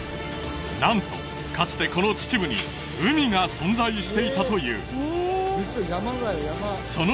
なんとかつてこの秩父に海が存在していたというえ嘘山だよ